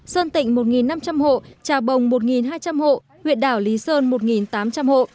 sơn tịnh một năm trăm linh hộ trà bồng một hai trăm linh hộ huyện đảo lý sơn một tám trăm linh hộ